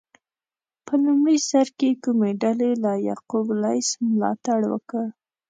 په لومړي سر کې کومې ډلې له یعقوب لیث ملاتړ وکړ؟